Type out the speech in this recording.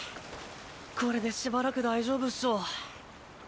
これでしばらく大丈夫っしょ。